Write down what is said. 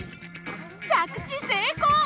着地成功！